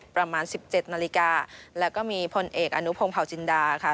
ประมาณ๑๗นาฬิกาแล้วก็มีพลเอกอนุพงศ์เผาจินดาค่ะ